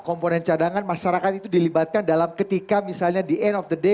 komponen cadangan masyarakat itu dilibatkan dalam ketika misalnya the end of the day